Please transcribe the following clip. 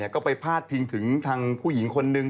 ก็ไปพาดพิงถึงทางผู้หญิงคนนึง